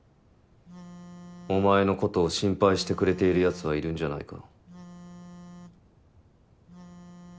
お前のことを心配してくれている奴はいるんじゃないか？